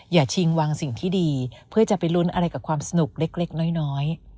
ชิงวางสิ่งที่ดีเพื่อจะไปลุ้นอะไรกับความสนุกเล็กน้อย